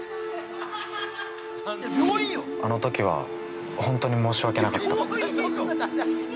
あのときは本当に申しわけなかった。